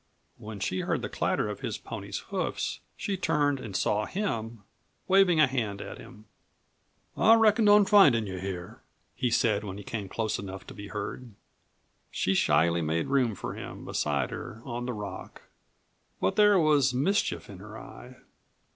When she heard the clatter of his pony's hoofs she turned and saw him, waving a hand at him. "I reckoned on findin' you here," he said when he came close enough to be heard. She shyly made room for him beside her on the rock, but there was mischief in her eye.